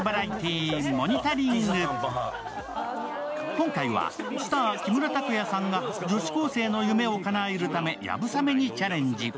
今回は、スター・木村拓哉さんが女子高生の夢をかなえるため、やぶさめにチャレンジ。